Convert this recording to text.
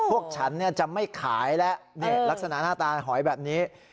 พวกฉันจะไม่ขายแล้วลักษณะหน้าตาหอยแบบนี้